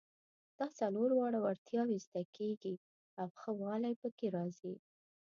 دا څلور واړه وړتیاوې زده کیږي او ښه والی پکې راځي.